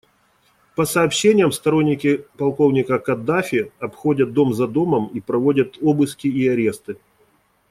По сообщениям, сторонники полковника Каддафи обходят дом за домом и проводят обыски и аресты.